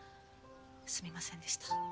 すみませんでした。